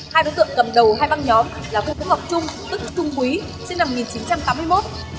hai đối tượng cầm đầu hai băng nhóm là phương phúc ngọc trung tức trung quý sinh năm một nghìn chín trăm tám mươi một trú tại thành phố hòa bình